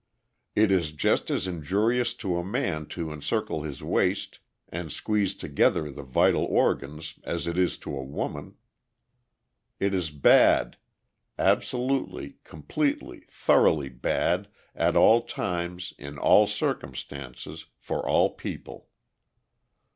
It is just as injurious to a man to encircle his waist and squeeze together the vital organs as it is to a woman. It is bad, absolutely, completely, thoroughly bad, at all times, in all circumstances, for all people.